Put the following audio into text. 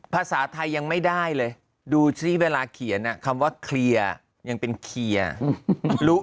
ภาษาไทยยังไม่ได้เลยดูสิเวลาเขียนคำว่าเคลียร์ยังเป็นเคลียร์รู้